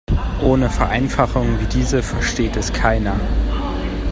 Ohne Vereinfachungen wie diese versteht es keiner.